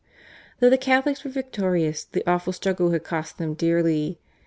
Though the Catholics were victorious the awful struggle had cost them dearly.